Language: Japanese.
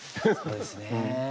そうですね。